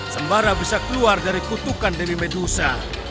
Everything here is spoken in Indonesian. sembara bisa keluar dari kutukan demi medusa